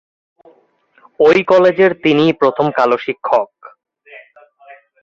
ঐ কলেজের তিনিই প্রথম কালো শিক্ষক।